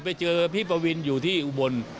ไปเจอพี่ปวินอยู่ที่อุบล